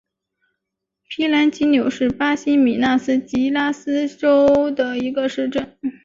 皮兰吉纽是巴西米纳斯吉拉斯州的一个市镇。